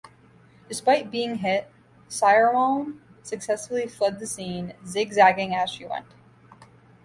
Despite being hit, "Siremalm" successfully fled the scene, zig-zagging as she went.